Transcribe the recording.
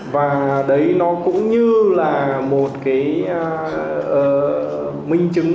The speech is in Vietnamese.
và đấy nó cũng như là một cái minh chứng